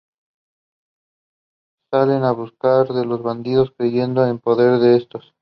Salen en busca de los bandidos, cayendo en poder de estos.